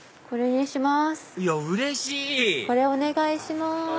これお願いします。